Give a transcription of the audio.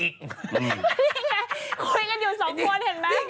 นี่ไงคุยกันอยู่สองคนเห็นไหม